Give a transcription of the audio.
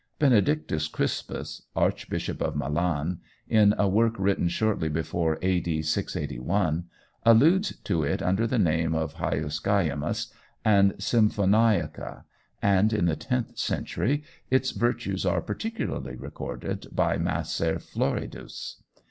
Benedictus Crispus, Archbishop of Milan, in a work written shortly before A.D. 681, alludes to it under the name of hyoscyamus and symphoniaca, and in the tenth century its virtues are particularly recorded by Macer Floridus.